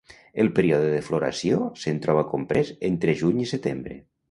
El període de floració se'n troba comprés entre juny i setembre.